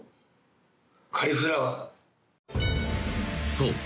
［そう。